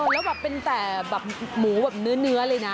แล้วเป็นแต่หมูแบบเนื้อเลยนะ